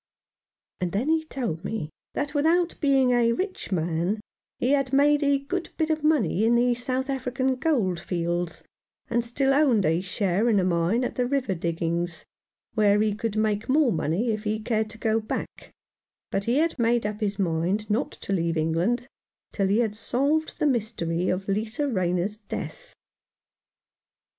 And then he told me that, without being a rich man, he had made a good bit of money in the South African gold fields, and still owned a share in a mine at the River Diggings, where he could make more money if he cared to go back ; but he had made up his mind not to leave England till he had solved the mystery of Lisa Rayner's death.